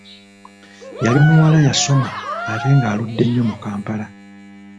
Yali muwala yasoma ate nga aludde nnyo mu Kampala.